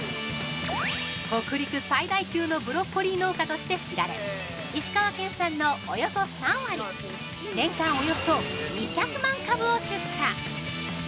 北陸最大級のブロッコリー農家として知られ石川県産のおよそ３割、年間およそ２００万株を出荷。